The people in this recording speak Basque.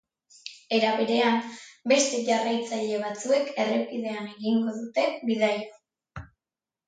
Era berean, beste jarraitzaile batzuek errepidean egingo dute bidaia.